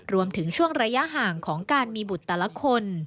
รวมถึงช่วงระยะห่างของการมีบุตรแต่ละคน